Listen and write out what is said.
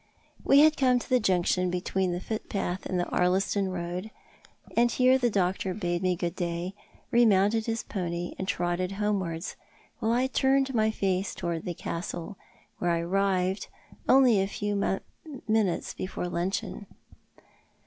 AVe had come to the junction between tho footpath and tho Ardliston road, and here the doctor bade me good day, remounted his pony, and trotted homewards, while I turned my face towards the Castle, where I arrived only a few minutes before luncheon.